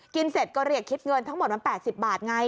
เสร็จก็เรียกคิดเงินทั้งหมดมัน๘๐บาทไง